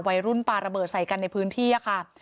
วัยรุ่นปลาระเบิดใส่กันในพื้นที่ค่ะ